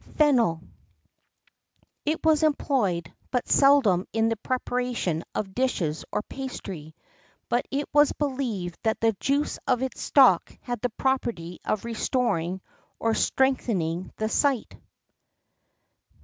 [X 11] FENNEL. It was employed but seldom in the preparation of dishes or pastry; but it was believed that the juice of its stalk had the property of restoring or strengthening the sight.